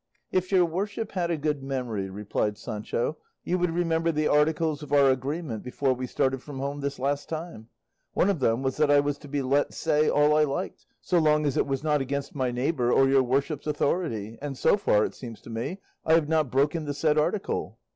"If your worship had a good memory," replied Sancho, "you would remember the articles of our agreement before we started from home this last time; one of them was that I was to be let say all I liked, so long as it was not against my neighbour or your worship's authority; and so far, it seems to me, I have not broken the said article."